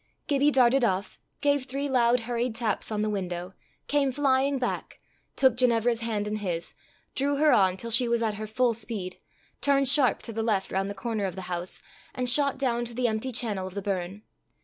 Gibbie darted off, gave three loud hurried taps on the window, came flying back, took Ginevra's hand in his, drew her on till she was at her full speed, turned sharp to the left round the corner of the house, and shot down to the empty channel of the burn.